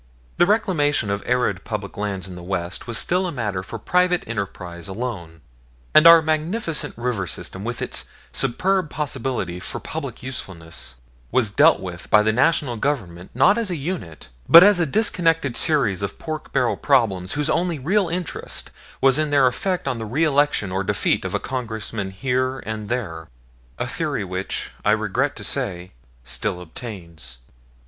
The reclamation of arid public lands in the West was still a matter for private enterprise alone; and our magnificent river system, with its superb possibilities for public usefulness, was dealt with by the National Government not as a unit, but as a disconnected series of pork barrel problems, whose only real interest was in their effect on the reelection or defeat of a Congressman here and there a theory which, I regret to say, still obtains.